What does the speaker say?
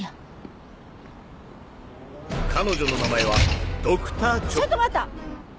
彼女の名前はＤｒ．チョちょっと待った！